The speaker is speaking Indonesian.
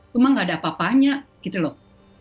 cuma gak ada apa apanya gitu loh